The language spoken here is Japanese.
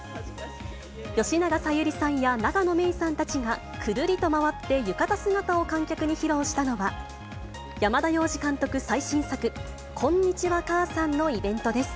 吉永小百合さんや永野芽郁さんたちが、くるりと回って、浴衣姿を観客に披露したのは、山田洋次監督最新作、こんにちは、母さんのイベントです。